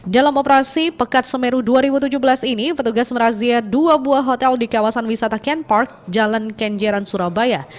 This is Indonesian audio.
dalam operasi pekat semeru dua ribu tujuh belas ini petugas merazia dua buah hotel di kawasan wisata ken park jalan kenjeran surabaya